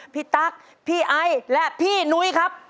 ตั๊กพี่ไอและพี่นุ้ยครับ